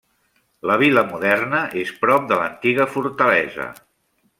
La vila moderna és prop de l'antiga fortalesa.